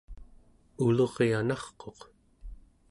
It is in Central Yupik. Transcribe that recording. uluryanarquq